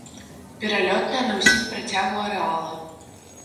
Пералётная на ўсім працягу арэала.